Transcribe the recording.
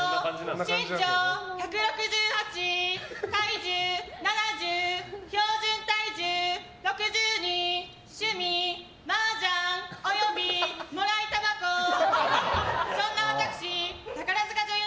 身長１６８体重７０、標準体重６２趣味マージャン及びもらいたばこそんな私宝塚女優